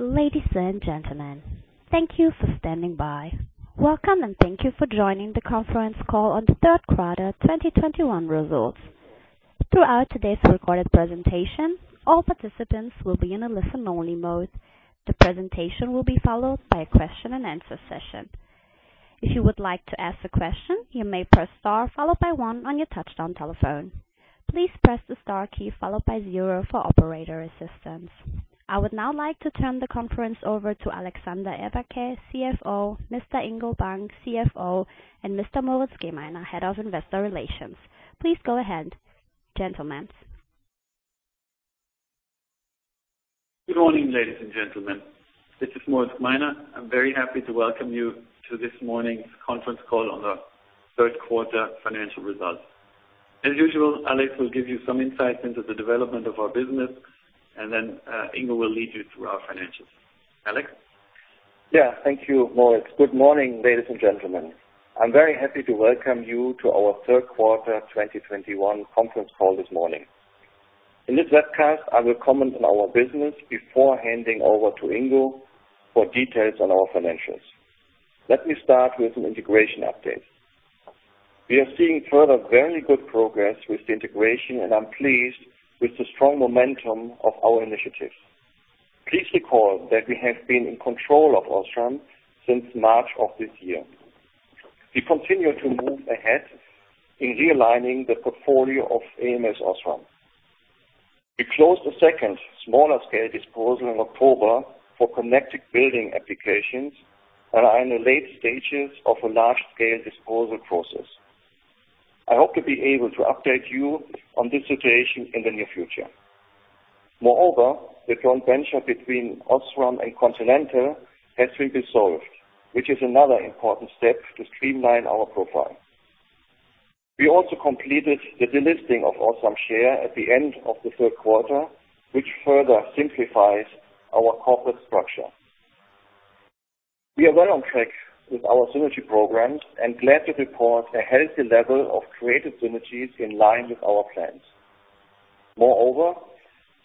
Ladies and gentlemen, thank you for standing by. Welcome and thank you for joining the Conference Call on the Third Quarter 2021 Results. Throughout today's recorded presentation, all participants will be in a listen-only mode. The presentation will be followed by a question-and-answer session. If you would like to ask a question, you may press * followed by 1 on your touch-tone telephone. Please press the * key followed by 0 for operator assistance. I would now like to turn the conference over to Juergen Rebel, CFO, Mr. Ingo Bank, CFO, and Mr. Moritz Gmeiner, Head of Investor Relations. Please go ahead, gentlemen. Good morning, ladies and gentlemen. This is Moritz Gmeiner. I'm very happy to welcome you to this morning's Conference call on the Third Quarter Financial Results. As usual, Alex will give you some insights into the development of our business and then, Ingo will lead you through our financials. Alex? Yeah. Thank you, Moritz. Good morning, ladies and gentlemen. I'm very happy to welcome you to our third quarter 2021 conference call this morning. In this webcast, I will comment on our business before handing over to Ingo for details on our financials. Let me start with an integration update. We are seeing further very good progress with the integration, and I'm pleased with the strong momentum of our initiatives. Please recall that we have been in control of OSRAM since March of this year. We continue to move ahead in realigning the portfolio of ams OSRAM. We closed the second smaller scale disposal in October for Connected Building Applications and are in the late stages of a large scale disposal process. I hope to be able to update you on this situation in the near future. Moreover, the joint venture between OSRAM and Continental has been dissolved, which is another important step to streamline our profile. We also completed the delisting of OSRAM share at the end of the third quarter, which further simplifies our corporate structure. We are well on track with our synergy programs and glad to report a healthy level of created synergies in line with our plans. Moreover,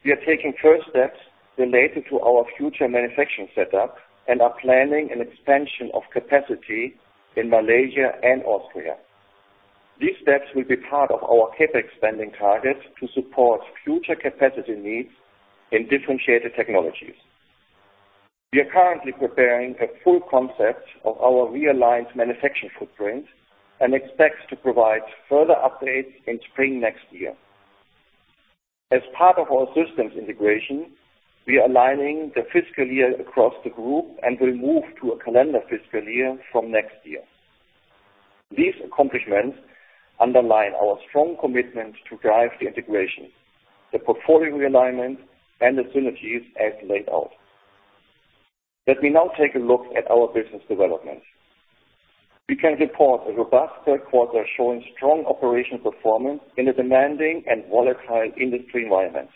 we are taking first steps related to our future manufacturing setup and are planning an expansion of capacity in Malaysia and Austria. These steps will be part of our CapEx spending targets to support future capacity needs in differentiated technologies. We are currently preparing a full concept of our realigned manufacturing footprint and expect to provide further updates in spring next year. As part of our systems integration, we are aligning the fiscal year across the group and will move to a calendar fiscal year from next year. These accomplishments underline our strong commitment to drive the integration, the portfolio realignment, and the synergies as laid out. Let me now take a look at our business developments. We can report a robust third quarter showing strong operational performance in a demanding and volatile industry environment.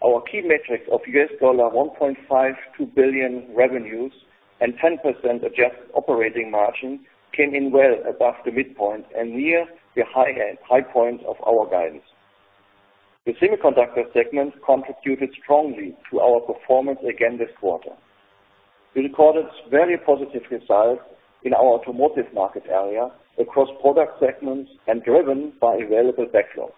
Our key metrics of $1.52 billion revenues and 10% adjusted operating margin came in well above the midpoint and near the high end, high point of our guidance. The Semiconductors segment contributed strongly to our performance again this quarter. We recorded very positive results in our automotive market area across product segments and driven by available backlog.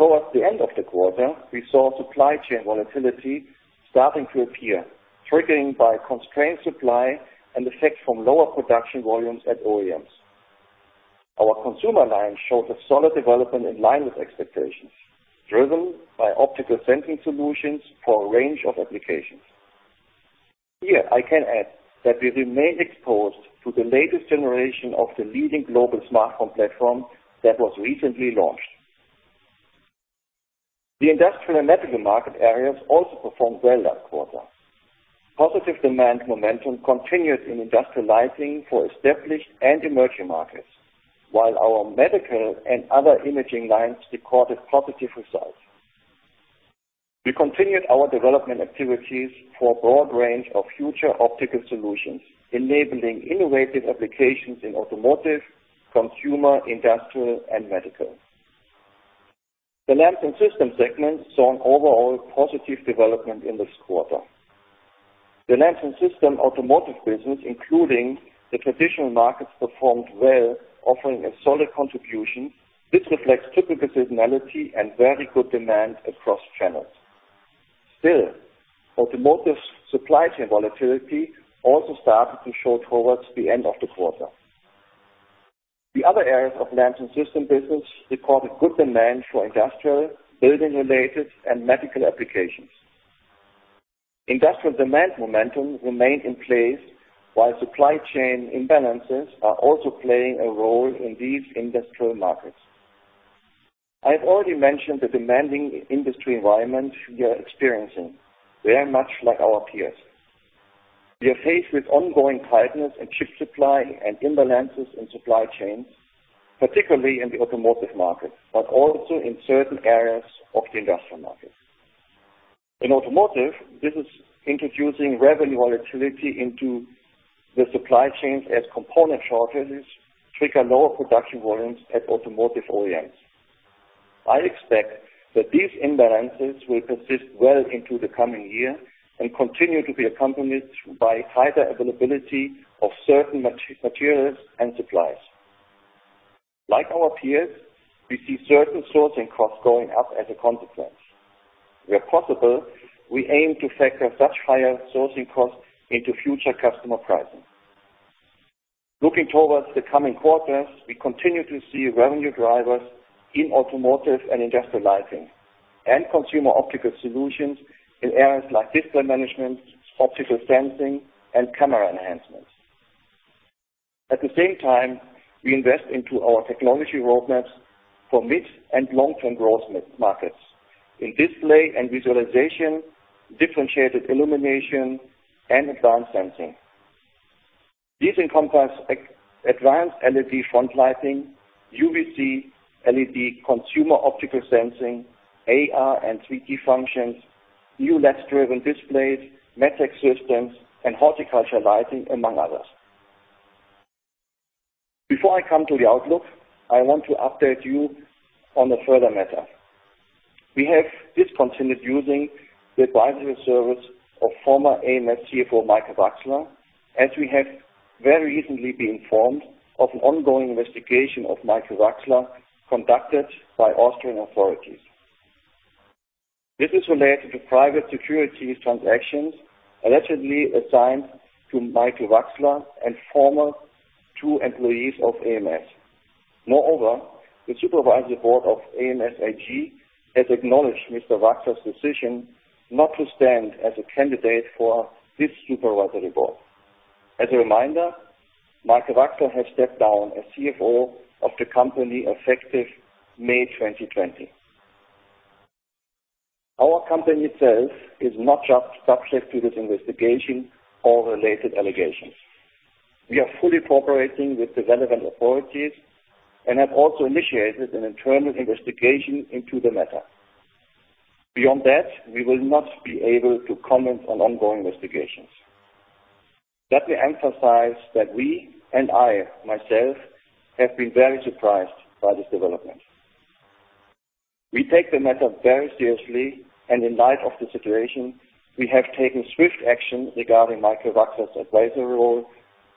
Towards the end of the quarter, we saw supply chain volatility starting to appear, triggered by constrained supply and effects from lower production volumes at OEMs. Our consumer line showed a solid development in line with expectations, driven by optical sensing solutions for a range of applications. Here, I can add that we remain exposed to the latest generation of the leading global smartphone platform that was recently launched. The industrial and medical market areas also performed well that quarter. Positive demand momentum continued in industrial lighting for established and emerging markets, while our medical and other imaging lines recorded positive results. We continued our development activities for a broad range of future optical solutions, enabling innovative applications in automotive, consumer, industrial, and medical. The Lamps and Systems segment saw an overall positive development in this quarter. The Lamps and Systems automotive business, including the traditional markets, performed well, offering a solid contribution which reflects typical seasonality and very good demand across channels. Still, automotive supply chain volatility also started to show towards the end of the quarter. The other areas of Lamps and Systems business recorded good demand for industrial, building-related, and medical applications. Industrial demand momentum remained in place while supply chain imbalances are also playing a role in these industrial markets. I've already mentioned the demanding industry environment we are experiencing, very much like our peers. We are faced with ongoing tightness in chip supply and imbalances in supply chains, particularly in the automotive market, but also in certain areas of the industrial market. In automotive, this is introducing revenue volatility into the supply chains as component shortages trigger lower production volumes at automotive OEMs. I expect that these imbalances will persist well into the coming year and continue to be accompanied by higher availability of certain materials and supplies. Like our peers, we see certain sourcing costs going up as a consequence. Where possible, we aim to factor such higher sourcing costs into future customer pricing. Looking towards the coming quarters, we continue to see revenue drivers in automotive and industrial lighting and consumer optical solutions in areas like display management, optical sensing, and camera enhancements. At the same time, we invest into our technology roadmaps for mid and long-term growth markets in display and visualization, differentiated illumination, and advanced sensing. These encompass advanced LED front lighting, UVC LED Consumer Optical Sensing, AR and 3D functions, new LED driven displays, biometric systems and horticulture lighting, among others. Before I come to the outlook, I want to update you on a further matter. We have discontinued using the advisory service of former ams CFO Michael Wachsler, as we have very recently been informed of an ongoing investigation of Michael Wachsler conducted by Austrian authorities. This is related to private securities transactions allegedly assigned to Michael Wachsler and two former employees of ams. Moreover, the Supervisory Board of ams AG has acknowledged Mr. Wachsler's decision not to stand as a candidate for this supervisory board. As a reminder, Michael Wachsler has stepped down as CFO of the company effective May 2020. Our company itself is not subject to this investigation or related allegations. We are fully cooperating with the relevant authorities and have also initiated an internal investigation into the matter. Beyond that, we will not be able to comment on ongoing investigations. Let me emphasize that we and I myself have been very surprised by this development. We take the matter very seriously, and in light of the situation, we have taken swift action regarding Michael Wachsler's advisory role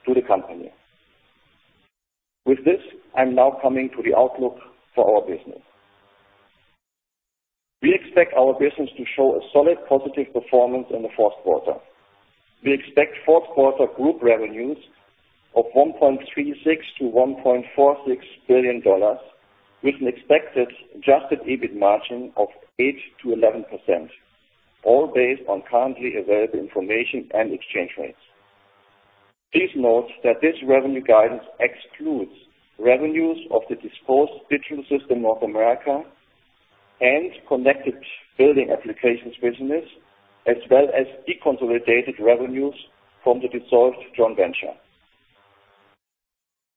to the company. With this, I'm now coming to the outlook for our business. We expect our business to show a solid positive performance in the fourth quarter. We expect fourth quarter group revenues of $1.36 billion-$1.46 billion, with an expected adjusted EBIT margin of 8%-11%, all based on currently available information and exchange rates. Please note that this revenue guidance excludes revenues of the disposed Digital Systems North America and Connected Building Applications business, as well as deconsolidated revenues from the dissolved joint venture.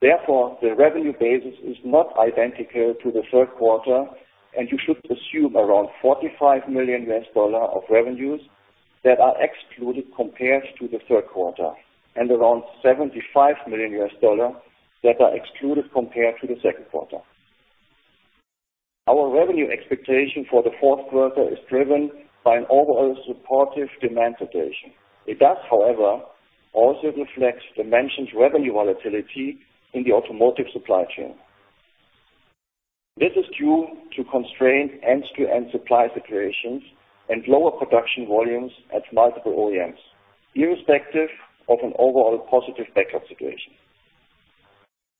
Therefore, the revenue basis is not identical to the third quarter and you should assume around $45 million of revenues that are excluded compared to the third quarter and around $75 million that are excluded compared to the second quarter. Our revenue expectation for the fourth quarter is driven by an overall supportive demand situation. It does, however, also reflect demand-side revenue volatility in the automotive supply chain. This is due to constrained end-to-end supply situations and lower production volumes at multiple OEMs, irrespective of an overall positive backlog situation.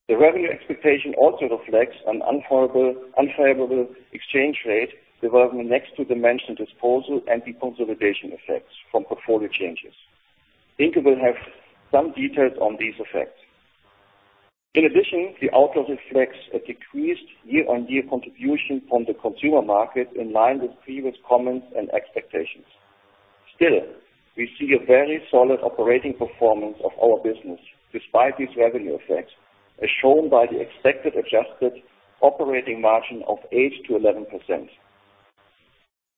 The revenue expectation also reflects an unfavorable exchange rate development next to divestment disposal and deconsolidation effects from portfolio changes. Ingo will have some details on these effects. In addition, the outlook reflects a decreased year-on-year contribution from the consumer market in line with previous comments and expectations. Still, we see a very solid operating performance of our business despite these revenue effects, as shown by the expected adjusted operating margin of 8%-11%.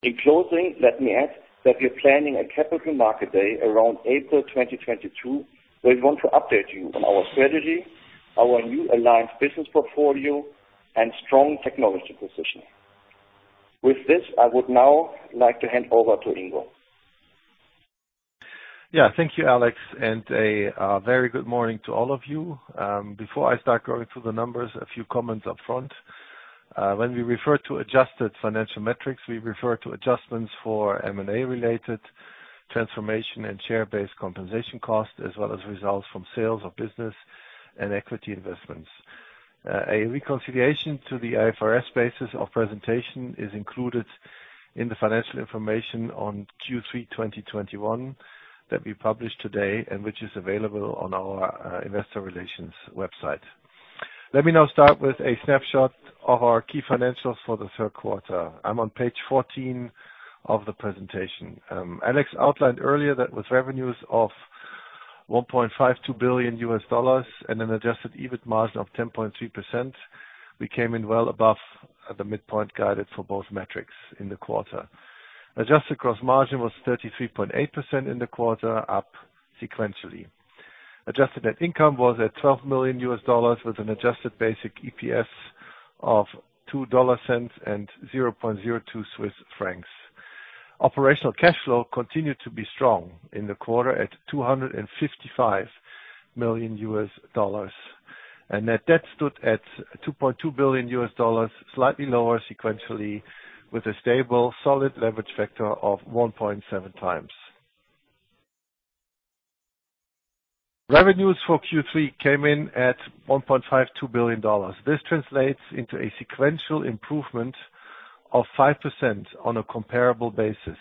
In closing, let me add that we are planning a Capital Market Day around April 2022, where we want to update you on our strategy, our new aligned business portfolio and strong technology position. With this, I would now like to hand over to Ingo. Yeah, thank you, Alex, and very good morning to all of you. Before I start going through the numbers, a few comments up front. When we refer to adjusted financial metrics, we refer to adjustments for M&A related transformation and share-based compensation costs, as well as results from sales of business and equity investments. A reconciliation to the IFRS basis of presentation is included in the financial information on Q3 2021 that we published today and which is available on our investor relations website. Let me now start with a snapshot of our key financials for the third quarter. I'm on page 14 of the presentation. Alex outlined earlier that with revenues of $1.52 billion and an adjusted EBIT margin of 10.3%, we came in well above the midpoint guidance for both metrics in the quarter. Adjusted gross margin was 33.8% in the quarter, up sequentially. Adjusted net income was at $12 million, with an adjusted basic EPS of $0.02 and 0.02. Operational cash flow continued to be strong in the quarter at $255 million. Net debt stood at $2.2 billion, slightly lower sequentially, with a stable solid leverage factor of 1.7 times. Revenues for Q3 came in at $1.52 billion. This translates into a sequential improvement of 5% on a comparable basis.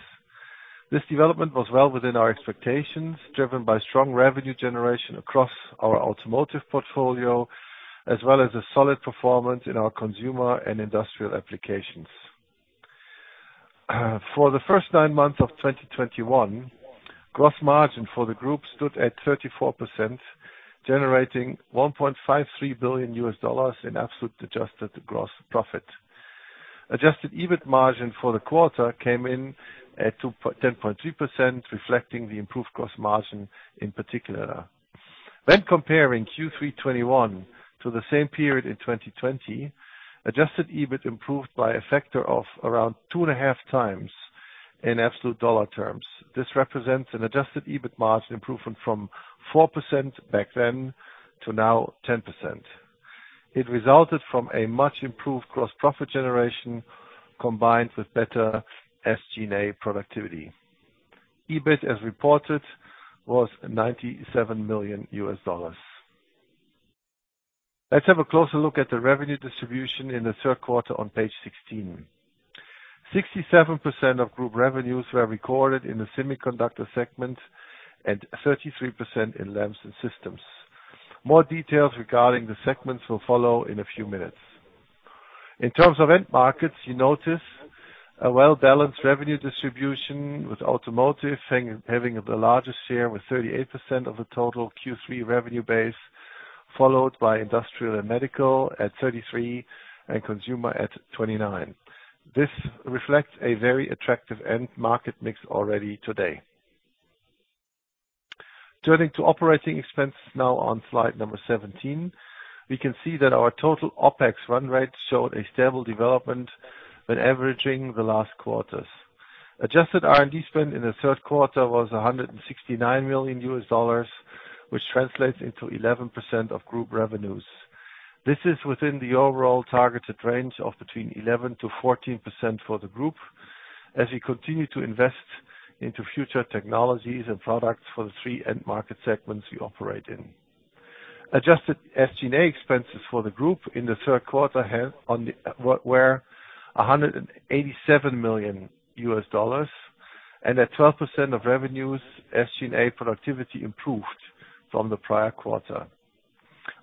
This development was well within our expectations, driven by strong revenue generation across our automotive portfolio, as well as a solid performance in our consumer and industrial applications. For the first 9 months of 2021, gross margin for the group stood at 34%, generating $1.53 billion in absolute adjusted gross profit. Adjusted EBIT margin for the quarter came in at 10.3%, reflecting the improved gross margin in particular. When comparing Q3 2021 to the same period in 2020, adjusted EBIT improved by a factor of around 2.5 times in absolute dollar terms. This represents an adjusted EBIT margin improvement from 4% back then to now 10%. It resulted from a much improved gross profit generation combined with better SG&A productivity. EBIT, as reported, was $97 million. Let's have a closer look at the revenue distribution in the third quarter on page 16. 67% of group revenues were recorded in the Semiconductors segment and 33% in Lamps and Systems. More details regarding the segments will follow in a few minutes. In terms of end markets, you notice a well-balanced revenue distribution, with Automotive having the largest share with 38% of the total Q3 revenue base, followed by Industrial and Medical at 33%, and Consumer at 29%. This reflects a very attractive end market mix already today. Turning to operating expense now on slide 17, we can see that our total OPEX run rate showed a stable development when averaging the last quarters. Adjusted R&D spend in the third quarter was $169 million, which translates into 11% of group revenues. This is within the overall targeted range of between 11%-14% for the group as we continue to invest into future technologies and products for the three end market segments we operate in. Adjusted SG&A expenses for the group in the third quarter were $187 million. At 12% of revenues, SG&A productivity improved from the prior quarter.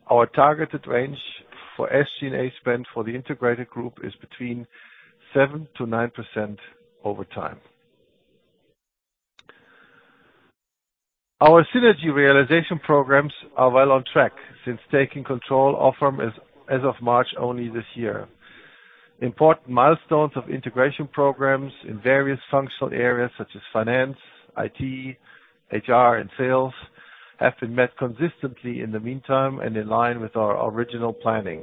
Our targeted range for SG&A spend for the integrated group is between 7%-9% over time. Our synergy realization programs are well on track since taking control of ams as of March only this year. Important milestones of integration programs in various functional areas such as finance, IT, HR, and sales have been met consistently in the meantime and in line with our original planning.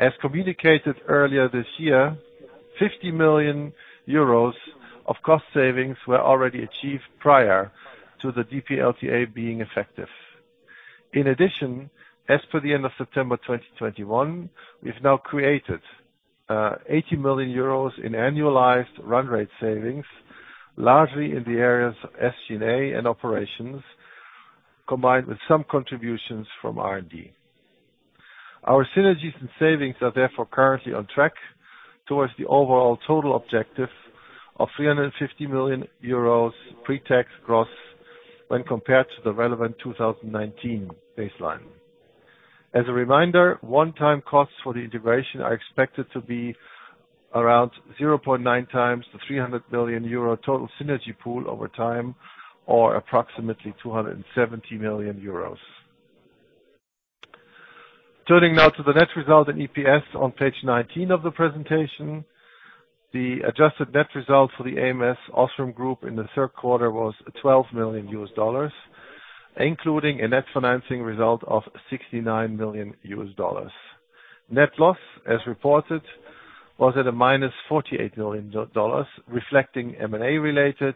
As communicated earlier this year, 50 million euros of cost savings were already achieved prior to the DPLTA being effective. In addition, as per the end of September 2021, we've now created 80 million euros in annualized run rate savings, largely in the areas of SG&A and operations, combined with some contributions from R&D. Our synergies and savings are therefore currently on track towards the overall total objective of 350 million euros pre-tax gross when compared to the relevant 2019 baseline. As a reminder, one-time costs for the integration are expected to be around 0.9 times the 300 million euro total synergy pool over time, or approximately 270 million euros. Turning now to the net result in EPS on page 19 of the presentation. The adjusted net result for the ams OSRAM Group in the third quarter was $12 million, including a net financing result of $69 million. Net loss, as reported, was at -$48 million, reflecting M&A related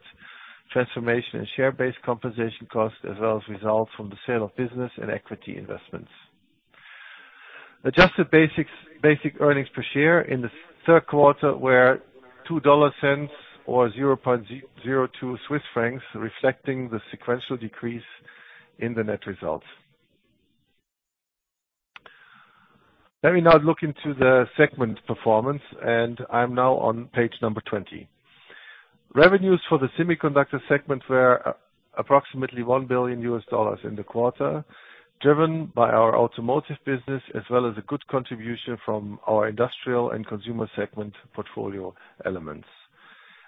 transformation and share-based compensation costs, as well as results from the sale of business and equity investments. Adjusted basic earnings per share in the third quarter were $0.02 or 0.02, reflecting the sequential decrease in the net results. Let me now look into the segment performance, and I'm now on page 20. Revenues for the Semiconductors segment were approximately $1 billion in the quarter, driven by our Automotive business as well as a good contribution from our Industrial and Consumer segment portfolio elements.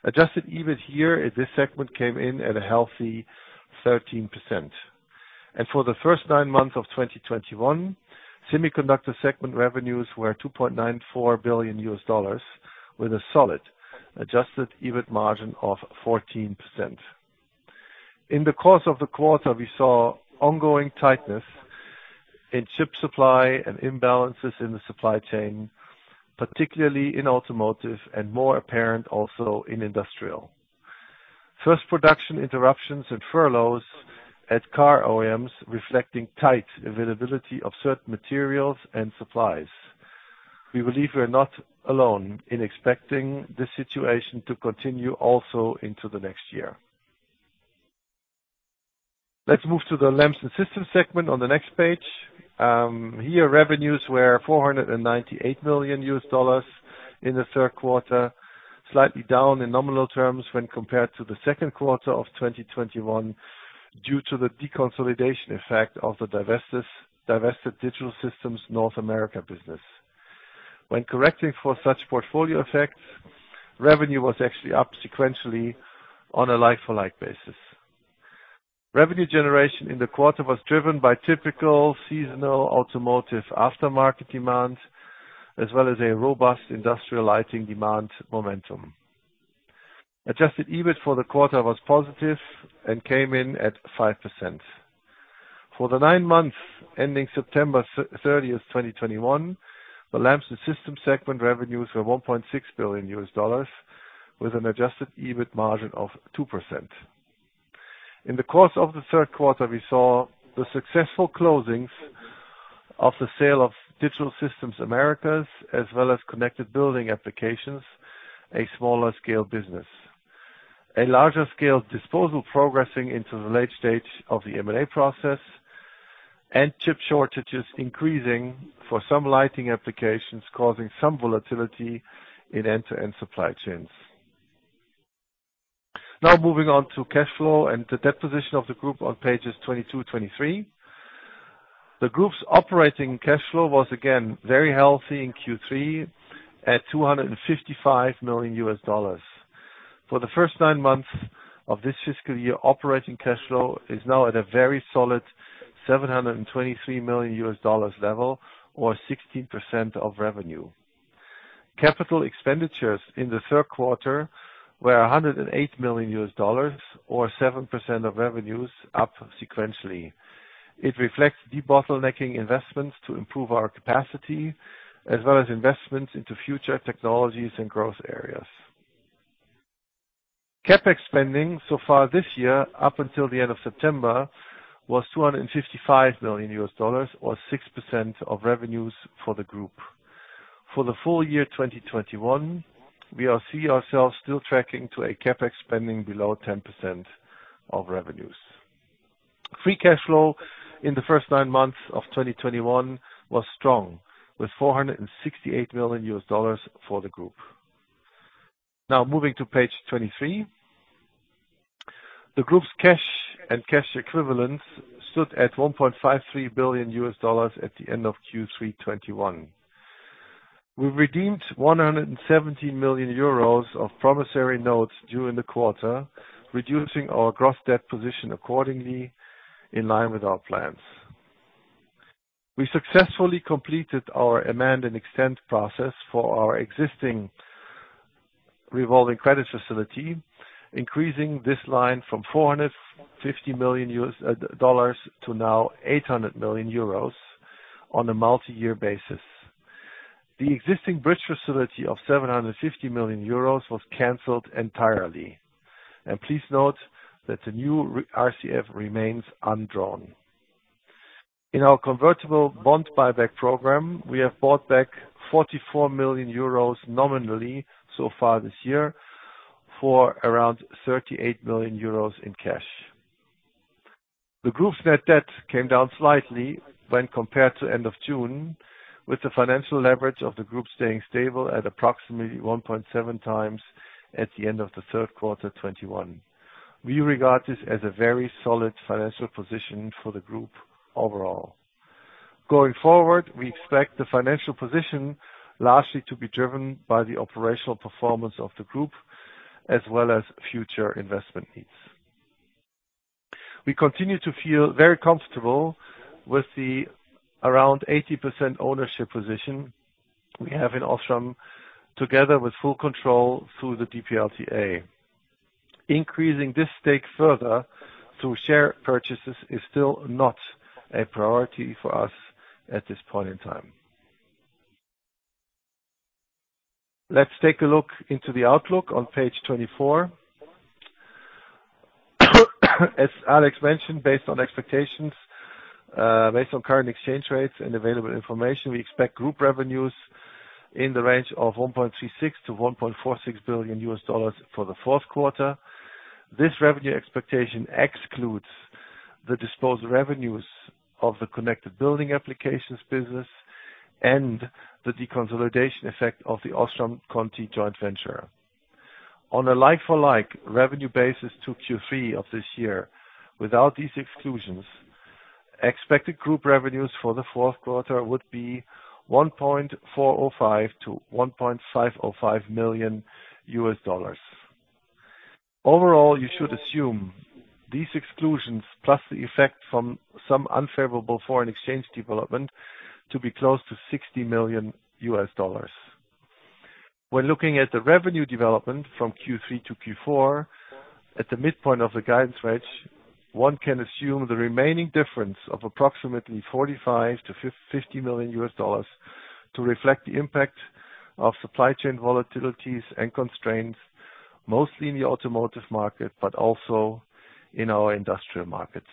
Adjusted EBIT here in this segment came in at a healthy 13%. For the first 9 months of 2021, Semiconductors segment revenues were $2.94 billion with a solid adjusted EBIT margin of 14%. In the course of the quarter, we saw ongoing tightness in chip supply and imbalances in the supply chain, particularly in automotive and more apparent also in industrial, first production interruptions and furloughs at car OEMs reflecting tight availability of certain materials and supplies. We believe we're not alone in expecting this situation to continue also into the next year. Let's move to the Lamps and Systems segment on the next page. Here revenues were $498 million in the third quarter, slightly down in nominal terms when compared to the second quarter of 2021 due to the deconsolidation effect of the divested Digital Systems North America business. When correcting for such portfolio effects, revenue was actually up sequentially on a like-for-like basis. Revenue generation in the quarter was driven by typical seasonal automotive aftermarket demand, as well as a robust industrial lighting demand momentum. Adjusted EBIT for the quarter was positive and came in at 5%. For the nine months ending September 30, 2021, the Lamps and Systems segment revenues were $1.6 billion with an adjusted EBIT margin of 2%. In the course of the third quarter we saw the successful closings of the sale of Digital Systems North America, as well as Connected Building Applications, a smaller scale business. A larger scale disposal progressing into the late stage of the M&A process and chip shortages increasing for some lighting applications, causing some volatility in end-to-end supply chains. Now moving on to cash flow and the debt position of the group on pages 22, 23. The group's operating cash flow was again very healthy in Q3 at $255 million. For the first nine months of this fiscal year, operating cash flow is now at a very solid $723 million level or 16% of revenue. Capital expenditures in the third quarter were $108 million or 7% of revenues up sequentially. It reflects debottlenecking investments to improve our capacity as well as investments into future technologies and growth areas. CapEx spending so far this year, up until the end of September, was $255 million or 6% of revenues for the group. For the full year 2021, we see ourselves still tracking to a CapEx spending below 10% of revenues. Free cash flow in the first nine months of 2021 was strong with $468 million for the group. Now moving to page 23. The group's cash and cash equivalents stood at $1.53 billion at the end of Q3 2021. We redeemed 170 million euros of promissory notes during the quarter, reducing our gross debt position accordingly in line with our plans. We successfully completed our amend and extend process for our existing revolving credit facility, increasing this line from $450 million to now 800 million euros on a multi-year basis. The existing bridge facility of 750 million euros was canceled entirely. Please note that the new R-RCF remains undrawn. In our convertible bond buyback program, we have bought back 44 million euros nominally so far this year for around 38 million euros in cash. The group's net debt came down slightly when compared to end of June, with the financial leverage of the group staying stable at approximately 1.7 times at the end of the third quarter, 2021. We regard this as a very solid financial position for the group overall. Going forward, we expect the financial position largely to be driven by the operational performance of the group as well as future investment needs. We continue to feel very comfortable with the around 80% ownership position we have in OSRAM, together with full control through the DPLTA. Increasing this stake further through share purchases is still not a priority for us at this point in time. Let's take a look into the outlook on page 24. As Alex mentioned, based on expectations, based on current exchange rates and available information, we expect group revenues in the range of $1.36 billion-$1.46 billion for the fourth quarter. This revenue expectation excludes the disposed revenues of the Connected Building Applications business and the deconsolidation effect of the Osram Continental joint venture. On a like-for-like revenue basis to Q3 of this year, without these exclusions, expected group revenues for the fourth quarter would be $1.405 million-$1.505 million. Overall, you should assume these exclusions plus the effect from some unfavorable foreign exchange development to be close to $60 million. When looking at the revenue development from Q3 to Q4 at the midpoint of the guidance range, one can assume the remaining difference of approximately $45 million-$50 million to reflect the impact of supply chain volatilities and constraints, mostly in the automotive market but also in our industrial markets.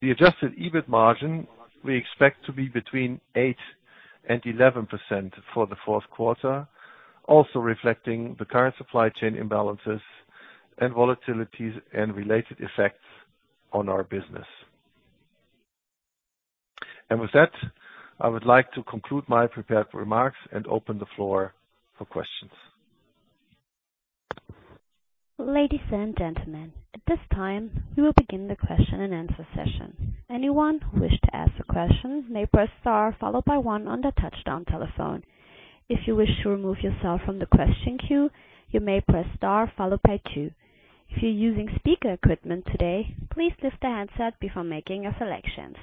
The adjusted EBIT margin we expect to be between 8%-11% for the fourth quarter, also reflecting the current supply chain imbalances and volatilities and related effects on our business. With that, I would like to conclude my prepared remarks and open the floor for questions. Ladies and gentlemen, at this time we will begin the question-and-answer session. Anyone who wishes to ask a question may press star followed by one on their touch-tone telephone. If you wish to remove yourself from the question queue, you may press star followed by two. If you're using speaker equipment today, please lift the handset before making your selections.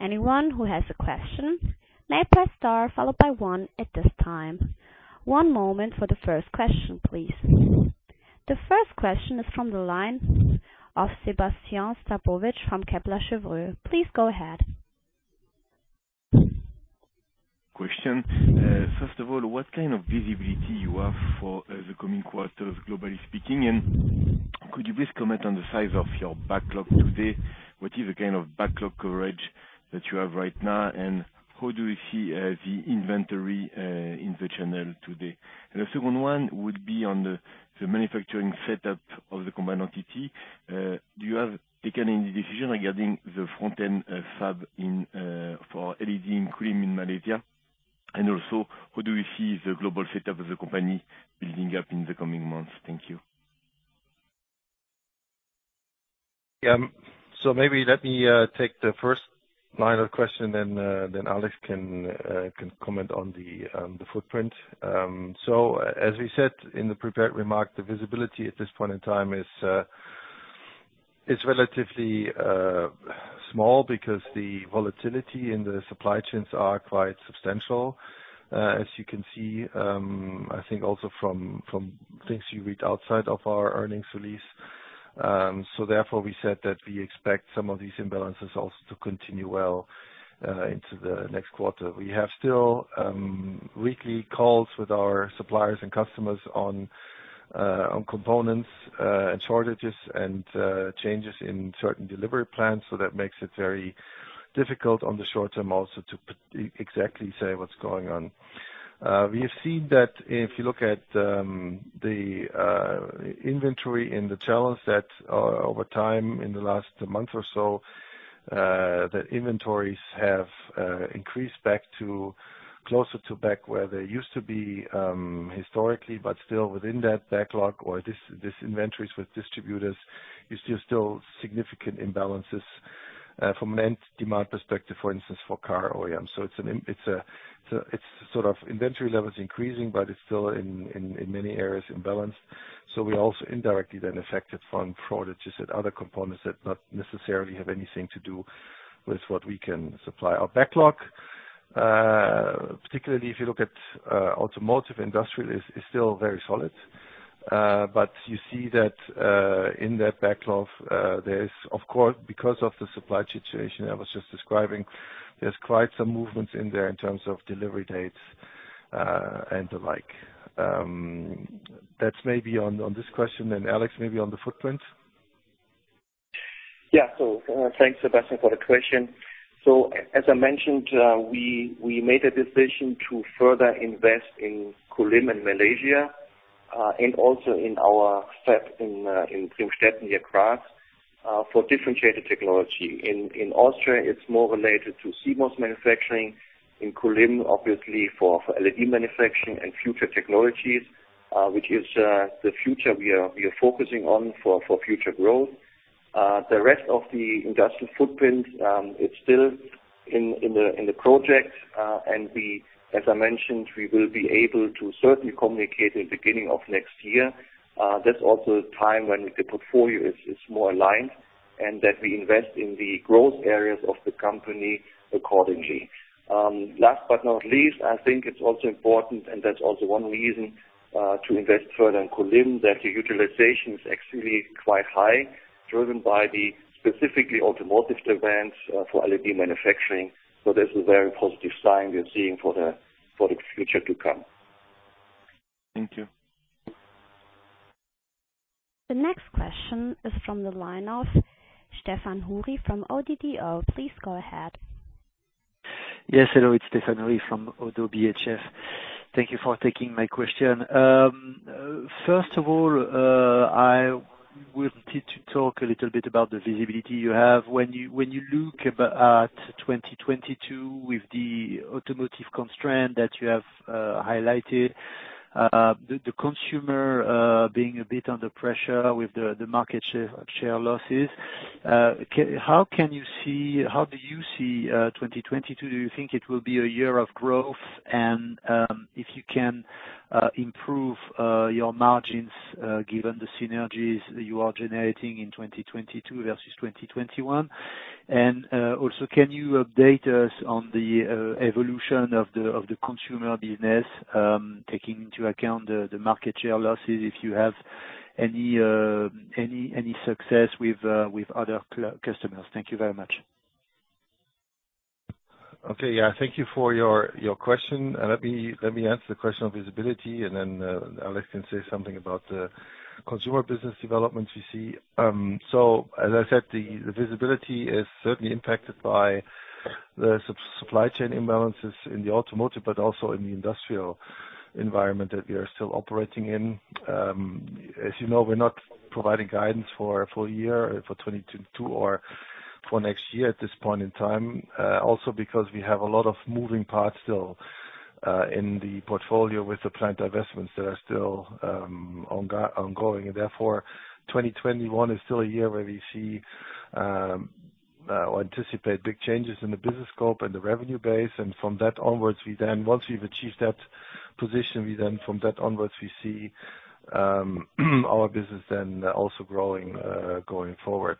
Anyone who has a question may press star followed by one at this time. One moment for the first question, please. The first question is from the line of Sébastien Sztabowicz from Kepler Cheuvreux. Please go ahead. Question. First of all, what kind of visibility you have for the coming quarters globally speaking? Could you please comment on the size of your backlog today? What is the kind of backlog coverage that you have right now? How do you see the inventory in the channel today? The second one would be on the manufacturing setup of the combined entity. Do you have taken any decision regarding the front-end fab for LED in Kulim, in Malaysia? How do you see the global setup of the company building up in the coming months? Thank you. Yeah. Maybe let me take the first line of question, then Alex can comment on the footprint. As we said in the prepared remarks, the visibility at this point in time is relatively small because the volatility in the supply chains are quite substantial. As you can see, I think also from things you read outside of our earnings release. Therefore, we said that we expect some of these imbalances also to continue well into the next quarter. We have still weekly calls with our suppliers and customers on components and shortages and changes in certain delivery plans, so that makes it very difficult on the short term also to predict exactly what's going on. We have seen that if you look at the inventory in the channels that over time in the last month or so that inventories have increased back to closer to where they used to be historically. Still within that backlog or these inventories with distributors are still significant imbalances from an end demand perspective, for instance, for car OEMs. It's sort of inventory levels increasing, but it's still in many areas imbalanced. We are also indirectly affected from shortages at other components that do not necessarily have anything to do with what we can supply. Our backlog, particularly if you look at automotive, industrial, is still very solid. You see that, in that backlog, there is of course, because of the supply situation I was just describing, there's quite some movements in there in terms of delivery dates, and the like. That's maybe on this question then Alex maybe on the footprint. Thanks, Sebastien, for the question. As I mentioned, we made a decision to further invest in Kulim in Malaysia and also in our fab in Premstätten near Graz for differentiated technology. In Austria, it's more related to CMOS manufacturing. In Kulim, obviously for LED manufacturing and future technologies, which is the future we are focusing on for future growth. The rest of the industrial footprint, it's still in the project. As I mentioned, we will be able to certainly communicate in the beginning of next year. That's also a time when the portfolio is more aligned and that we invest in the growth areas of the company accordingly. Last but not least, I think it's also important, and that's also one reason to invest further in Kulim, that the utilization is actually quite high, driven by the specifically automotive demands for LED manufacturing. That's a very positive sign we are seeing for the future to come. Thank you. The next question is from the line of Stéphane Houri from ODDO. Please go ahead. Yes, hello. It's Stéphane Houri from ODDO BHF. Thank you for taking my question. First of all, I wanted to talk a little bit about the visibility you have. When you look at 2022 with the automotive constraint that you have highlighted, the consumer being a bit under pressure with the market share losses, how do you see 2022? Do you think it will be a year of growth? If you can improve your margins given the synergies that you are generating in 2022 versus 2021. Also can you update us on the evolution of the consumer business, taking into account the market share losses if you have any success with other customers? Thank you very much. Okay, yeah. Thank you for your question. Let me answer the question on visibility, and then Alex can say something about the consumer business development we see. So as I said, the visibility is certainly impacted by the supply chain imbalances in the automotive, but also in the industrial environment that we are still operating in. As you know, we're not providing guidance for a full year for 2022 or for next year at this point in time, also because we have a lot of moving parts still in the portfolio with the planned divestments that are still ongoing, and therefore, 2021 is still a year where we see or anticipate big changes in the business scope and the revenue base. Once we've achieved that position, from that onwards we see our business then also growing going forward.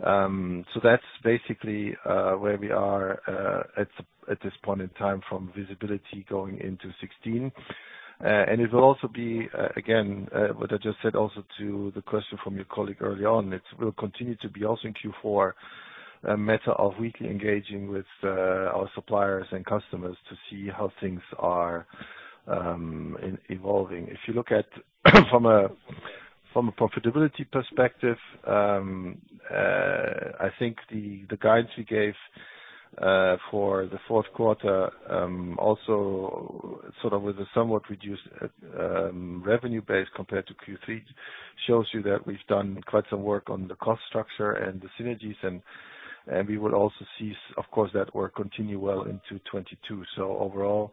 That's basically where we are at this point in time from visibility going into 2016. It will also be, again, what I just said also to the question from your colleague early on. It will continue to be also in Q4 a matter of weekly engaging with our suppliers and customers to see how things are evolving. If you look at from a profitability perspective, I think the guidance we gave for the fourth quarter, also sort of with a somewhat reduced revenue base compared to Q3, shows you that we've done quite some work on the cost structure and the synergies and we will also see, of course, that work continue well into 2022. Overall,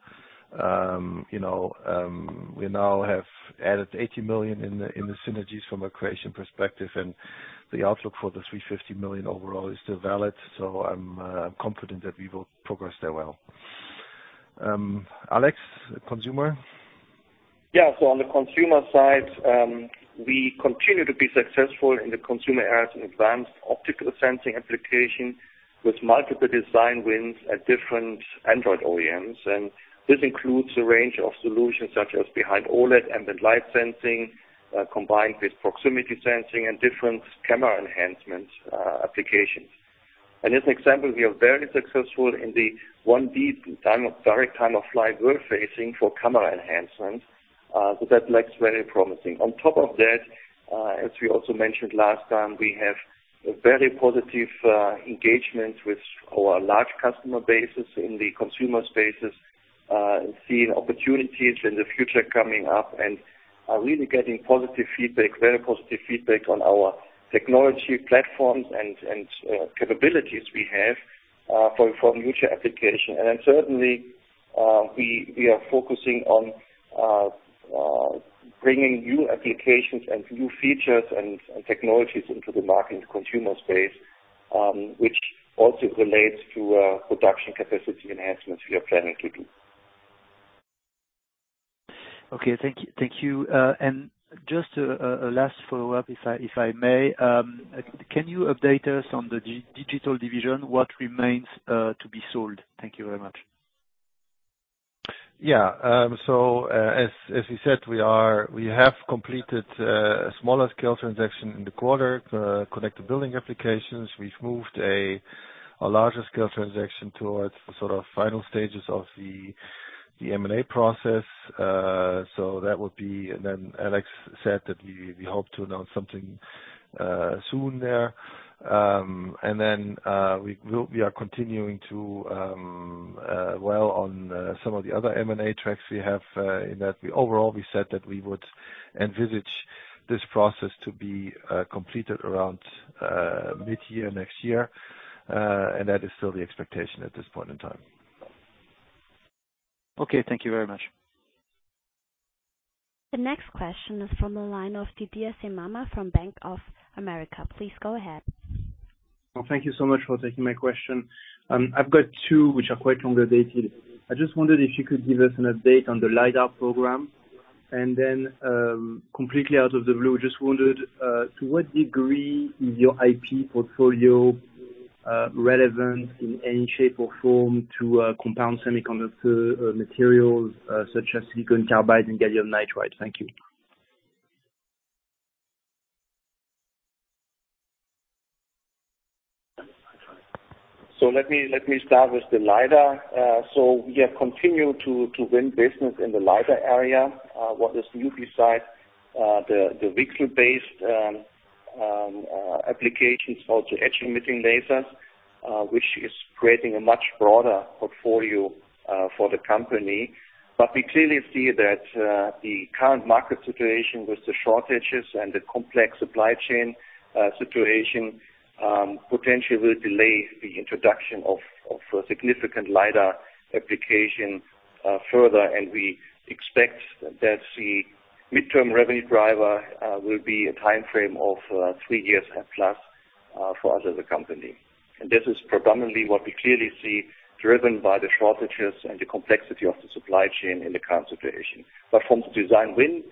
you know, we now have added 80 million in the synergies from a creation perspective, and the outlook for the 350 million overall is still valid. I'm confident that we will progress there well. Alex, consumer. Yeah. On the consumer side, we continue to be successful in the consumer as an advanced optical sensing application with multiple design wins at different Android OEMs. This includes a range of solutions such as behind OLED ambient light sensing, combined with proximity sensing and different camera enhancements, applications. As an example, we are very successful in the 1D direct time-of-flight we're using for camera enhancements, so that looks very promising. On top of that, as we also mentioned last time, we have a very positive engagement with our large customer bases in the consumer spaces, seeing opportunities in the future coming up and are really getting very positive feedback on our technology platforms and capabilities we have for future application. Certainly, we are focusing on bringing new applications and new features and technologies into the market consumer space, which also relates to production capacity enhancements we are planning to do. Okay. Thank you. Just a last follow-up if I may. Can you update us on the digital division, what remains to be sold? Thank you very much. As we said, we have completed a smaller scale transaction in the quarter, Connected Building Applications. We've moved a larger scale transaction towards the sort of final stages of the M&A process. That would be. Alex said that we hope to announce something soon there. We are continuing to work on some of the other M&A tracks we have. In that, overall, we said that we would envisage this process to be completed around mid-year next year. That is still the expectation at this point in time. Okay. Thank you very much. The next question is from the line of Didier Scemama from Bank of America. Please go ahead. Well, thank you so much for taking my question. I've got two which are quite longer dated. I just wondered if you could give us an update on the LiDAR program. Completely out of the blue, just wondered to what degree is your IP portfolio relevant in any shape or form to compound semiconductor materials such as silicon carbide and gallium nitride? Thank you. Let me start with the LiDAR. We have continued to win business in the LiDAR area. What is new besides the VCSEL-based applications for the edge-emitting lasers, which is creating a much broader portfolio for the company. We clearly see that the current market situation with the shortages and the complex supply chain situation potentially will delay the introduction of a significant LiDAR application further. We expect that the midterm revenue driver will be a timeframe of 3 years at plus for us as a company. This is predominantly what we clearly see driven by the shortages and the complexity of the supply chain in the current situation. From the design win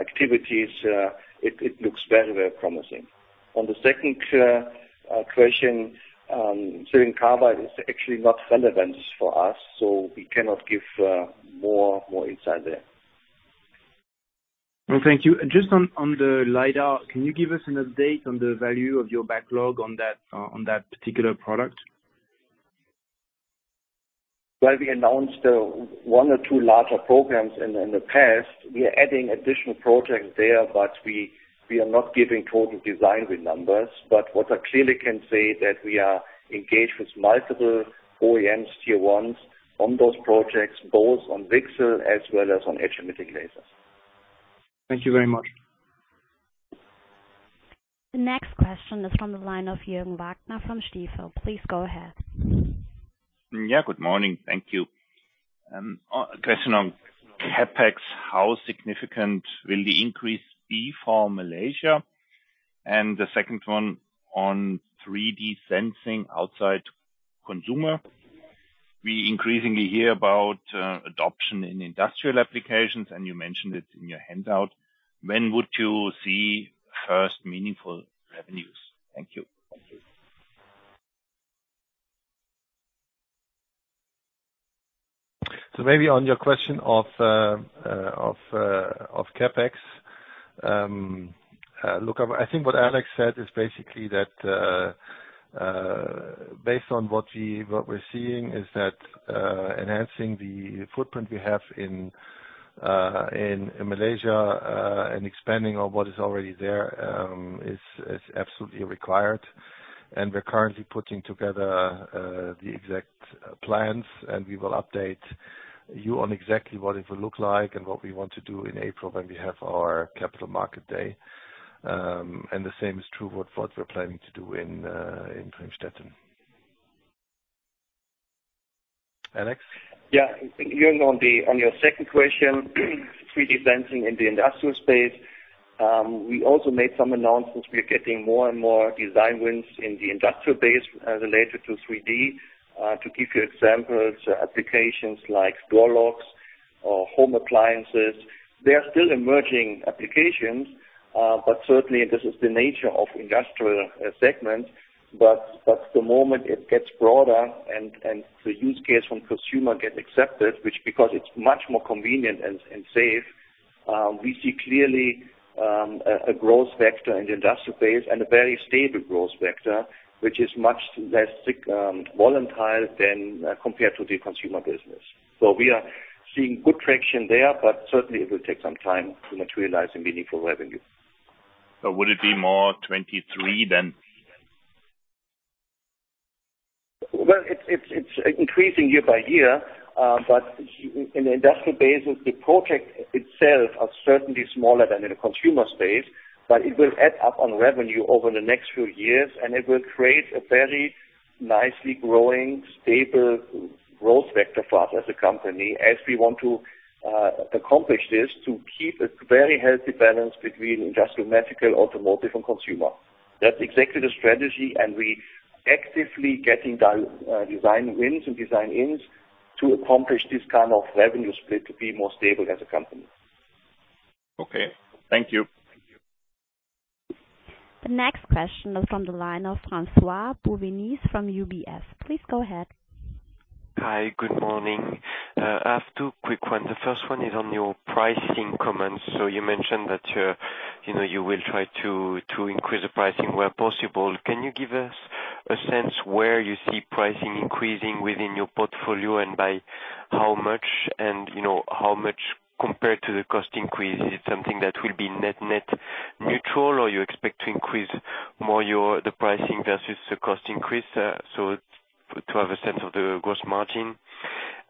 activities, it looks very, very promising. On the second question, silicon carbide is actually not relevant for us, so we cannot give more insight there. No, thank you. Just on the LiDAR, can you give us an update on the value of your backlog on that particular product? Well, we announced one or two larger programs in the past. We are adding additional projects there, but we are not giving total design win numbers. What I clearly can say that we are engaged with multiple OEMs, tier ones on those projects, both on VCSEL as well as on edge-emitting lasers. Thank you very much. The next question is from the line of Jürgen Wagner from Stifel. Please go ahead. Yeah, good morning. Thank you. A question on CapEx, how significant will the increase be for Malaysia? And the second one on 3D sensing outside consumer. We increasingly hear about adoption in industrial applications, and you mentioned it in your handout. When would you see first meaningful revenues? Thank you. Maybe on your question of CapEx, look, I think what Alex said is basically that, based on what we're seeing is that enhancing the footprint we have in Malaysia and expanding on what is already there is absolutely required. We're currently putting together the exact plans, and we will update you on exactly what it will look like and what we want to do in April when we have our Capital Markets Day. The same is true what we're planning to do in Traumstedt. Alex? Yeah. Going on your second question, 3D sensing in the industrial space, we also made some announcements. We are getting more and more design wins in the industrial base related to 3D. To give you examples, applications like door locks or home appliances, they are still emerging applications, but certainly this is the nature of industrial segments. The moment it gets broader and the use case from consumer get accepted, which because it's much more convenient and safe, we see clearly a growth vector in the industrial base and a very stable growth vector, which is much less volatile than compared to the consumer business. We are seeing good traction there, but certainly it will take some time to materialize a meaningful revenue. Would it be more in 2023 then? Well, it's increasing year by year. But in the industrial basis, the project itself are certainly smaller than in a consumer space, but it will add up on revenue over the next few years, and it will create a very nicely growing, stable growth vector for us as a company as we want to accomplish this to keep a very healthy balance between industrial, medical, automotive, and consumer. That's exactly the strategy, and we actively getting design wins and design ins to accomplish this kind of revenue split to be more stable as a company. Okay. Thank you. The next question is from the line of François-Xavier Bouvignies from UBS. Please go ahead. Hi. Good morning. I have two quick ones. The first one is on your pricing comments. You mentioned that, you know, you will try to increase the pricing where possible. Can you give us a sense where you see pricing increasing within your portfolio and by how much and, you know, how much compared to the cost increase? Is it something that will be net neutral, or you expect to increase more your pricing versus the cost increase, so to have a sense of the gross margin?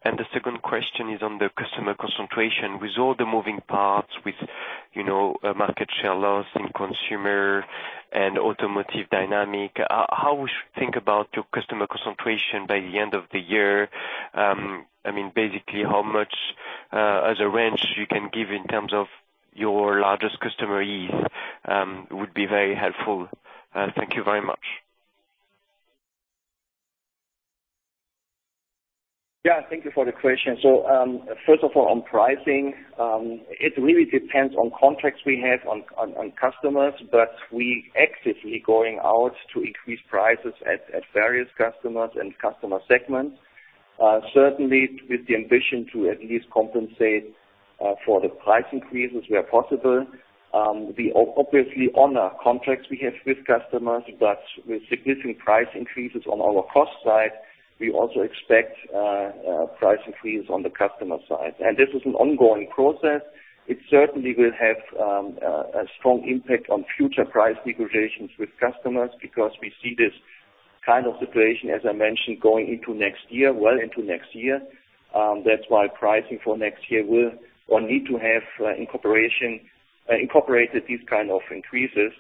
The second question is on the customer concentration. With all the moving parts, you know, a market share loss in consumer and automotive dynamics, how we should think about your customer concentration by the end of the year. I mean, basically how much, as a range you can give in terms of your largest customers, would be very helpful. Thank you very much. Yeah. Thank you for the question. First of all, on pricing, it really depends on contracts we have on customers, but we actively going out to increase prices at various customers and customer segments. Certainly with the ambition to at least compensate for the price increases where possible. We obviously honor contracts we have with customers, but with significant price increases on our cost side, we also expect price increase on the customer side. This is an ongoing process. It certainly will have a strong impact on future price negotiations with customers because we see this kind of situation, as I mentioned, going into next year, well into next year. That's why pricing for next year will or need to have incorporated these kind of increases.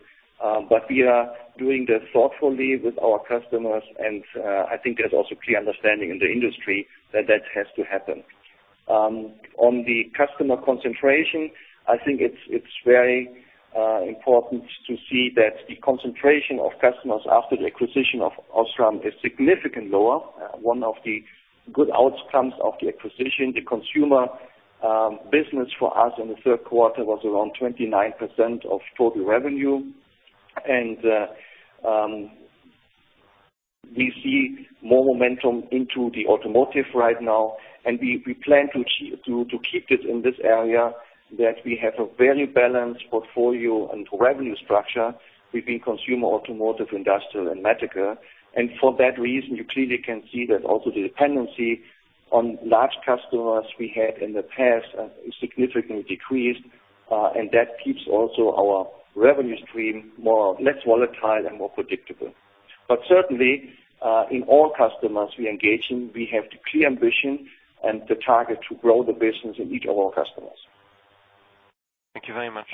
We are doing this thoughtfully with our customers, and I think there's also clear understanding in the industry that that has to happen. On the customer concentration, I think it's very important to see that the concentration of customers after the acquisition of OSRAM is significantly lower. One of the good outcomes of the acquisition, the consumer business for us in the third quarter was around 29% of total revenue. We see more momentum into the automotive right now and we plan to keep it in this area, that we have a very balanced portfolio and revenue structure between consumer, automotive, industrial and medical. For that reason, you clearly can see that also the dependency on large customers we had in the past has significantly decreased, and that keeps also our revenue stream less volatile and more predictable. Certainly, in all customers we engage in, we have the clear ambition and the target to grow the business in each of our customers. Thank you very much.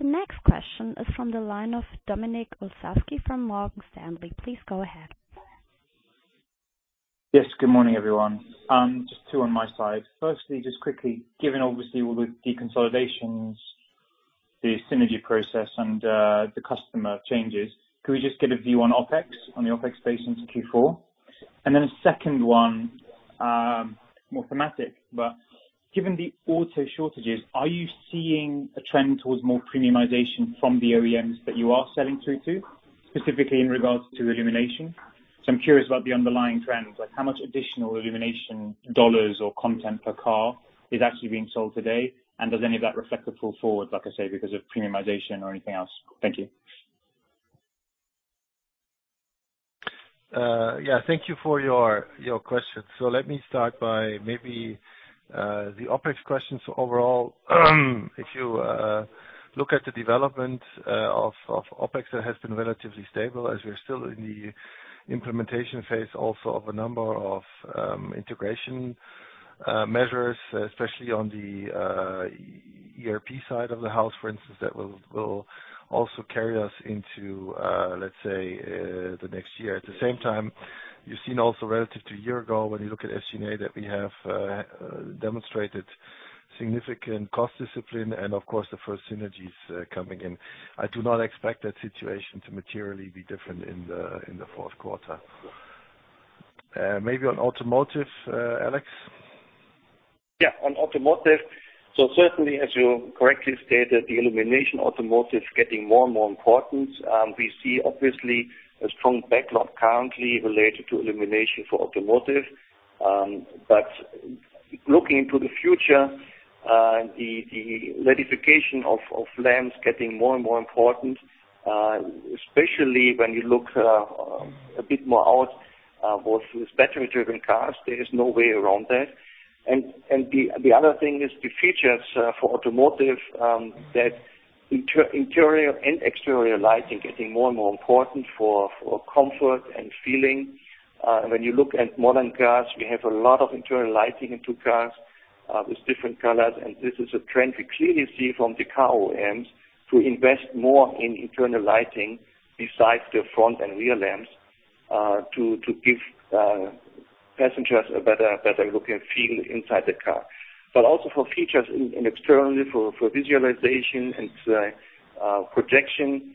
The next question is from the line of Dominik Olszewski from Morgan Stanley. Please go ahead. Yes, good morning, everyone. Just two on my side. Firstly, just quickly, given obviously all the deconsolidations, the synergy process and the customer changes, could we just get a view on OpEx, on the OpEx base into Q4? A second one, more thematic, but given the auto shortages, are you seeing a trend towards more premiumization from the OEMs that you are selling through to, specifically in regards to illumination? I'm curious about the underlying trends, like how much additional illumination dollars or content per car is actually being sold today, and does any of that reflect a pull forward, like I say, because of premiumization or anything else? Thank you. Yeah, thank you for your question. Let me start by maybe the OpEx question. Overall, if you look at the development of OpEx, it has been relatively stable as we're still in the implementation phase also of a number of integration measures, especially on the ERP side of the house, for instance, that will also carry us into let's say the next year. At the same time, you've seen also relative to a year ago, when you look at SG&A, that we have demonstrated significant cost discipline and of course, the first synergies coming in. I do not expect that situation to materially be different in the fourth quarter. Maybe on automotive, Alex. Yeah, on automotive. Certainly, as you correctly stated, the illumination automotive is getting more and more important. We see obviously a strong backlog currently related to illumination for automotive. Looking into the future, the ratification of lamps getting more and more important, especially when you look a bit more out with battery-driven cars, there is no way around that. The other thing is the features for automotive that interior and exterior lighting getting more and more important for comfort and feeling. When you look at modern cars, we have a lot of internal lighting in cars with different colors, and this is a trend we clearly see from the car OEMs to invest more in internal lighting besides the front and rear lamps to give passengers a better look and feel inside the car. Also for features internally and externally for visualization and projection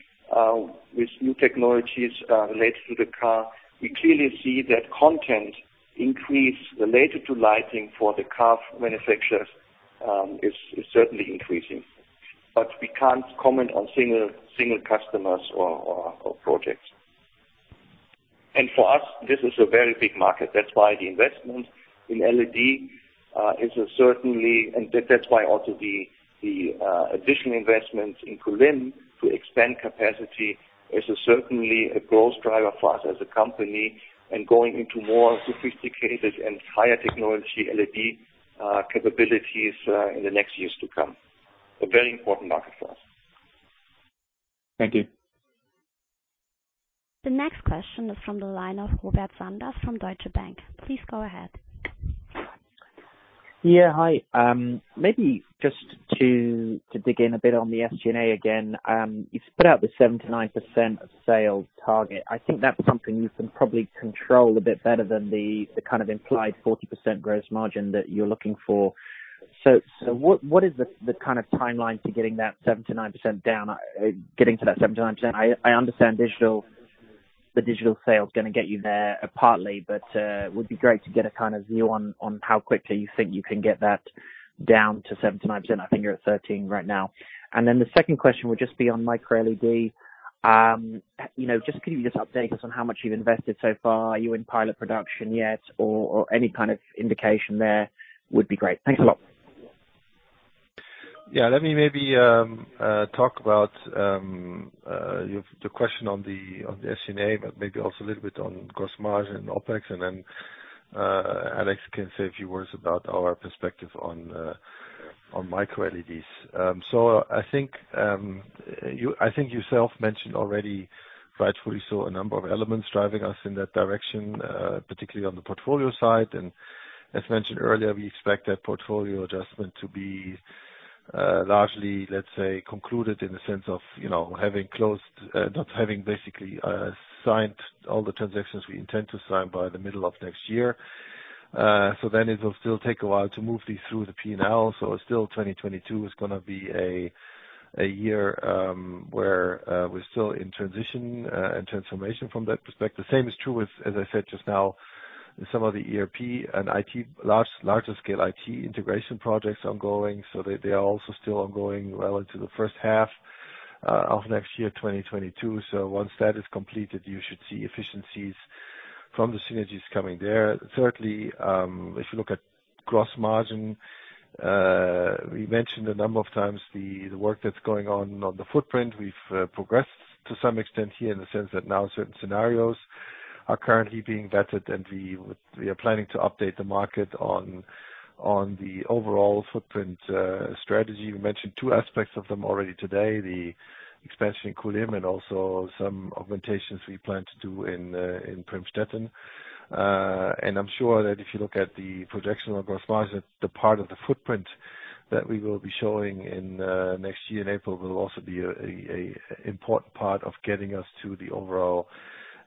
with new technologies related to the car, we clearly see that content increase related to lighting for the car manufacturers is certainly increasing. We can't comment on single customers or projects. For us, this is a very big market. That's why the investment in LED is certainly... That's why also the additional investments in Kulim to expand capacity is certainly a growth driver for us as a company and going into more sophisticated and higher technology LED capabilities in the next years to come. A very important market for us. Thank you. The next question is from the line of Robert Sanders from Deutsche Bank. Please go ahead. Yeah, hi. Maybe just to dig in a bit on the SG&A again. You've put out the 7%-9% of sales target. I think that's something you can probably control a bit better than the kind of implied 40% gross margin that you're looking for. What is the kind of timeline to getting that 7%-9% down, getting to that 7%-9%? I understand digital sales gonna get you there partly, but it would be great to get a kind of view on how quickly you think you can get that down to 7%-9%. I think you're at 13% right now. Then the second question would just be on MicroLED. You know, just can you just update us on how much you've invested so far? Are you in pilot production yet or any kind of indication there would be great? Thanks a lot. Yeah, let me maybe talk about the question on the SG&A, but maybe also a little bit on gross margin and OpEx, and then Alex can say a few words about our perspective on MicroLEDs. So I think yourself mentioned already. Rightfully so, a number of elements driving us in that direction, particularly on the portfolio side. As mentioned earlier, we expect that portfolio adjustment to be largely, let's say, concluded in the sense of, you know, having closed, not having basically signed all the transactions we intend to sign by the middle of next year. Then it will still take a while to move these through the P&L. Still, 2022 is gonna be a year where we're still in transition and transformation from that perspective. The same is true with, as I said just now, some of the ERP and IT larger scale IT integration projects ongoing. They are also still ongoing well into the first half of next year, 2022. Once that is completed, you should see efficiencies from the synergies coming there. Thirdly, if you look at gross margin, we mentioned a number of times the work that's going on the footprint. We've progressed to some extent here in the sense that now certain scenarios are currently being vetted, and we are planning to update the market on the overall footprint strategy. We mentioned two aspects of them already today, the expansion in Kulim and also some augmentations we plan to do in Premstätten. I'm sure that if you look at the projection of gross margin, the part of the footprint that we will be showing in next year in April will also be a important part of getting us to the overall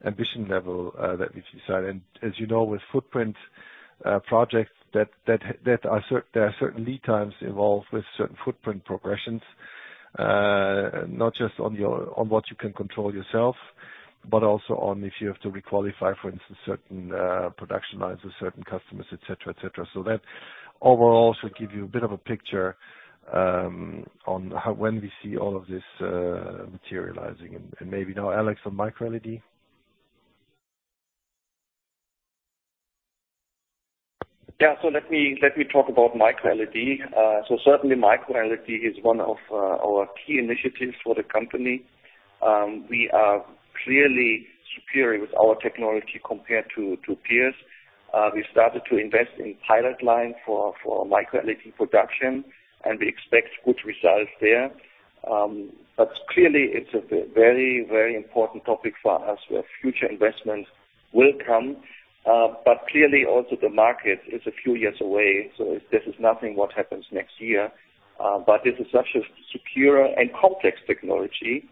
ambition level that we've decided. As you know, with footprint projects, there are certain lead times involved with certain footprint progressions, not just on what you can control yourself, but also on if you have to re-qualify, for instance, certain production lines with certain customers, et cetera. That overall should give you a bit of a picture on when we see all of this materializing. Maybe now, Alex, on MicroLED. Let me talk about MicroLED. Certainly MicroLED is one of our key initiatives for the company. We are clearly superior with our technology compared to peers. We started to invest in pilot line for MicroLED production, and we expect good results there. Clearly it's a very, very important topic for us, where future investment will come. Clearly also the market is a few years away, so this is nothing that happens next year. This is such a secure and complex technology,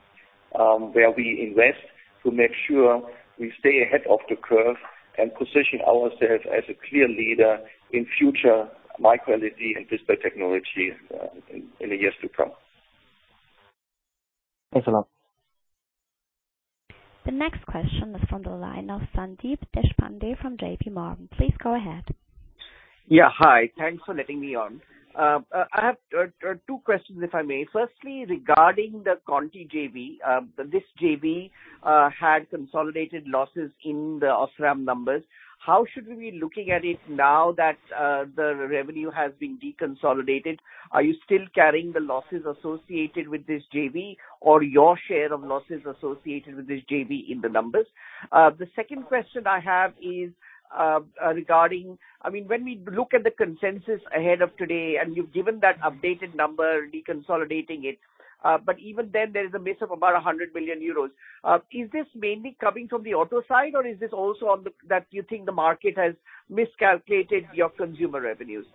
where we invest to make sure we stay ahead of the curve and position ourselves as a clear leader in future MicroLED and display technology in the years to come. Thanks a lot. The next question is from the line of Sandeep Deshpande from JP Morgan. Please go ahead. Hi. Thanks for letting me on. I have two questions, if I may. Firstly, regarding the Continental JV, this JV had consolidated losses in the OSRAM numbers. How should we be looking at it now that the revenue has been deconsolidated? Are you still carrying the losses associated with this JV or your share of losses associated with this JV in the numbers? The second question I have is, I mean, when we look at the consensus ahead of today, and you've given that updated number, deconsolidating it, but even then, there is a base of about 100 billion euros. Is this mainly coming from the auto side, or is this also on that you think the market has miscalculated your consumer revenues?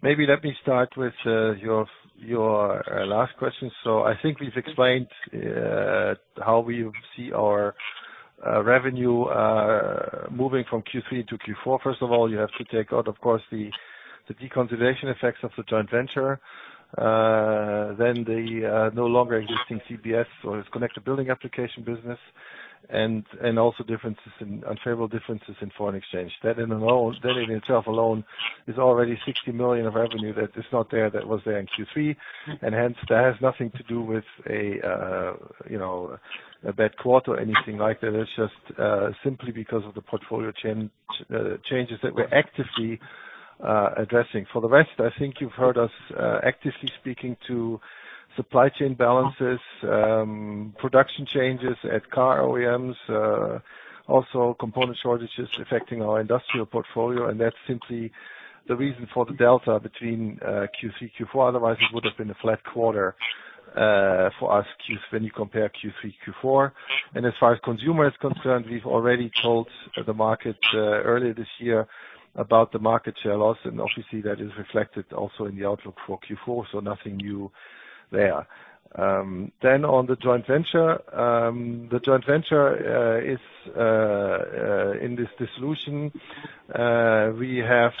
Maybe let me start with your last question. I think we've explained how we see our revenue moving from Q3 to Q4. First of all, you have to take out, of course, the deconsolidation effects of the joint venture, then the no longer existing CBS, so it's Connected Building Applications business, and also unfavorable differences in foreign exchange. That in itself alone is already 60 million of revenue that is not there that was there in Q3. Hence, that has nothing to do with a, you know, a bad quarter or anything like that. It's just simply because of the portfolio changes that we're actively addressing. For the rest, I think you've heard us actively speaking to supply chain balances, production changes at car OEMs, also component shortages affecting our industrial portfolio. That's simply the reason for the delta between Q3, Q4. Otherwise, it would have been a flat quarter for us when you compare Q3, Q4. As far as consumer is concerned, we've already told the market earlier this year about the market share loss, and obviously that is reflected also in the outlook for Q4. Nothing new there. On the joint venture, the joint venture is in this dissolution. We have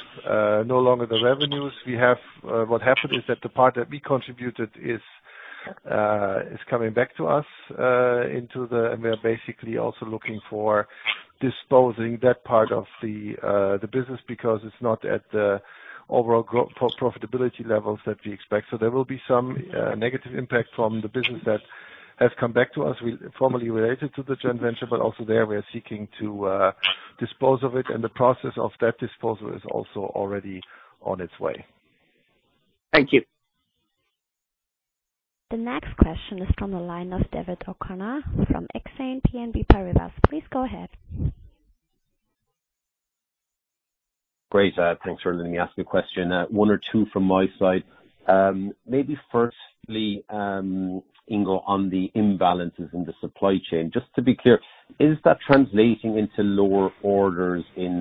no longer the revenues. What happened is that the part that we contributed is coming back to us into the... We are basically also looking to dispose of that part of the business because it's not at the overall profitability levels that we expect. There will be some negative impact from the business that has come back to us, which was formerly related to the joint venture, but also there we are seeking to dispose of it, and the process of that disposal is also already on its way. Thank you. The next question is from the line of David O'Connor from Exane BNP Paribas. Please go ahead. Great. Thanks for letting me ask a question. One or two from my side. Maybe firstly, Ingo, on the imbalances in the supply chain, just to be clear, is that translating into lower orders in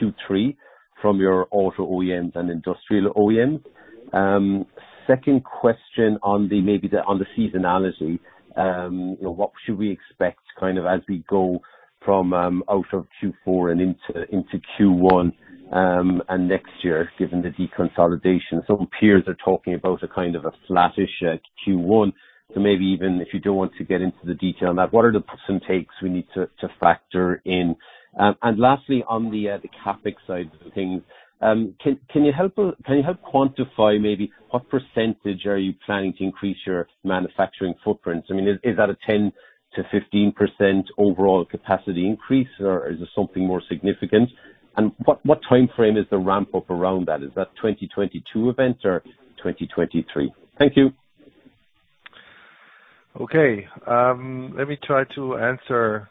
Q3 from your auto OEMs and industrial OEMs? Second question on the seasonality, you know, what should we expect kind of as we go from out of Q4 and into Q1 and next year, given the deconsolidation. Some peers are talking about a kind of a flattish Q1. Maybe even if you don't want to get into the detail on that, what are the puts and takes we need to factor in? Lastly, on the CapEx side of things, can you help quantify maybe what percentage are you planning to increase your manufacturing footprints? I mean, is that a 10%-15% overall capacity increase, or is it something more significant? What timeframe is the ramp up around that? Is that 2022 event or 2023? Thank you. Okay. Let me try to answer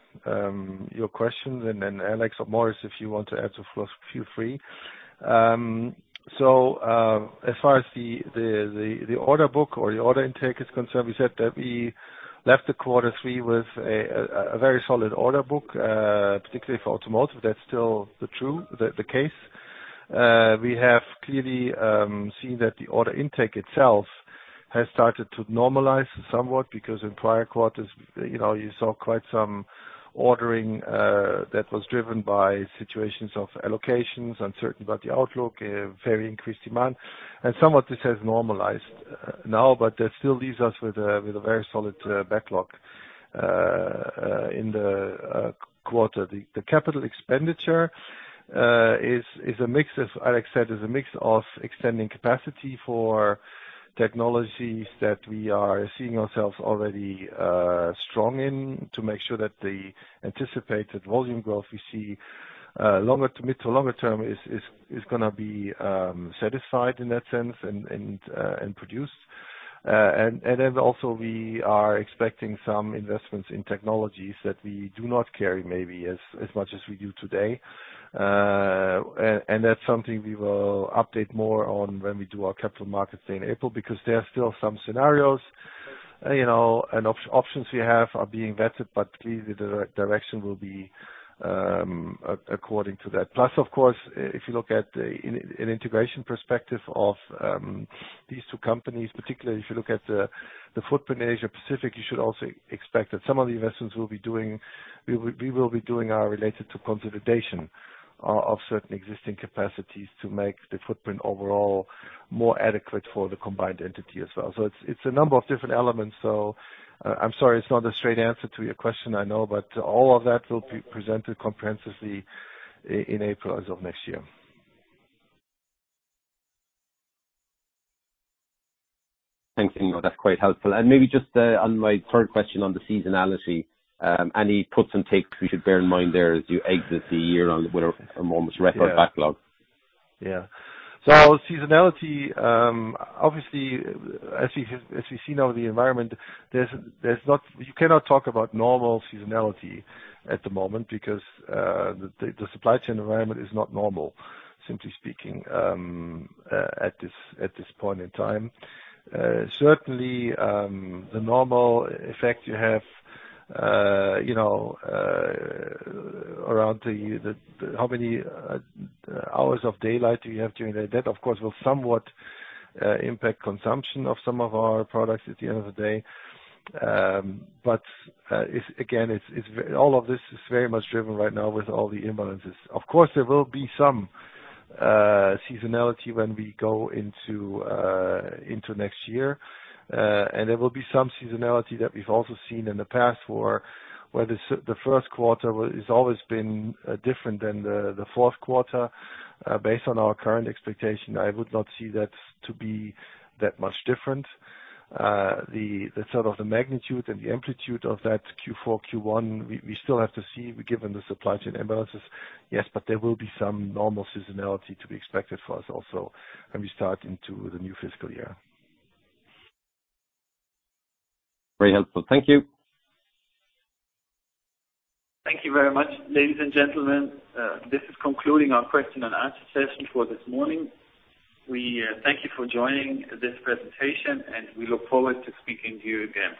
your questions. Alex or Morris, if you want to add to those, feel free. As far as the order book or the order intake is concerned, we said that we left quarter three with a very solid order book, particularly for automotive. That's still the case. We have clearly seen that the order intake itself has started to normalize somewhat because in prior quarters, you know, you saw quite some ordering that was driven by situations of allocations, uncertain about the outlook, very increased demand. Somewhat this has normalized now, but that still leaves us with a very solid backlog in the quarter. The capital expenditure is a mix, as Alex said, of extending capacity for technologies that we are seeing ourselves already strong in to make sure that the anticipated volume growth we see mid to longer term is gonna be satisfied in that sense and produced. Then also we are expecting some investments in technologies that we do not carry maybe as much as we do today. That's something we will update more on when we do our Capital Markets Day in April, because there are still some scenarios, you know, and options we have are being vetted, but clearly the direction will be according to that. Plus, of course, if you look at the integration perspective of these two companies, particularly if you look at the footprint Asia Pacific, you should also expect that some of the investments we will be doing are related to consolidation of certain existing capacities to make the footprint overall more adequate for the combined entity as well. It's a number of different elements, I'm sorry it's not a straight answer to your question, I know, but all of that will be presented comprehensively in April of next year. Thanks, Ingo. That's quite helpful. Maybe just on my third question on the seasonality, any puts and takes we should bear in mind there as you exit the year on what are almost record backlog? Yeah. Seasonality obviously, as you've seen in the environment, you cannot talk about normal seasonality at the moment because the supply chain environment is not normal, simply speaking, at this point in time. Certainly, the normal effect you have, you know, around how many hours of daylight you have during the day. That, of course, will somewhat impact consumption of some of our products at the end of the day. Again, all of this is very much driven right now by all the imbalances. Of course, there will be some seasonality when we go into next year, and there will be some seasonality that we've also seen in the past for where the first quarter has always been different than the fourth quarter. Based on our current expectation, I would not see that to be that much different. The sort of magnitude and the amplitude of that Q4, Q1 we still have to see given the supply chain imbalances. Yes, but there will be some normal seasonality to be expected for us also when we start into the new fiscal year. Very helpful. Thank you. Thank you very much, ladies and gentlemen. This is concluding our question and answer session for this morning. We thank you for joining this presentation, and we look forward to speaking to you again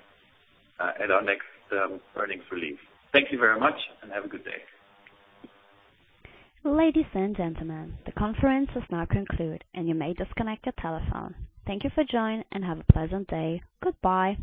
at our next earnings release. Thank you very much, and have a good day. Ladies and gentlemen, the conference is now concluded, and you may disconnect your telephone. Thank you for joining, and have a pleasant day. Goodbye.